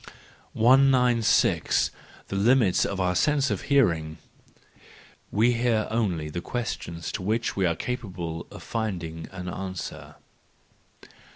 196. The Limits of our Sense of Hearing, —We hear only the questions to which we are capable of finding an answer.